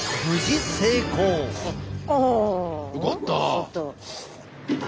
よかった！